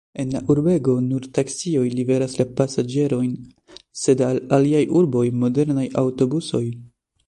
En la urbego nur taksioj liveras la pasaĝerojn, sed al aliaj urboj modernaj aŭtobusoj.